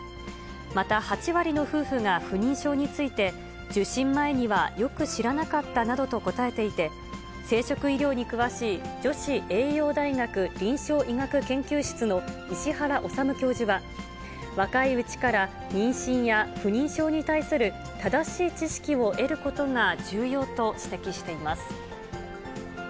また、８割の夫婦が不妊症について、受診前にはよく知らなかったなどと答えていて、生殖医療に詳しい女子栄養大学臨床医学研究室の石原理教授は、若いうちから妊娠や不妊症に対する正しい知識を得ることが重要と指摘しています。